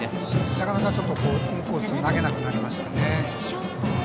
なかなかインコースに投げなくなりましたね。